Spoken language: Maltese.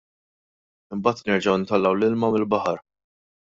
Imbagħad nerġgħu ntellgħu l-ilma mill-baħar.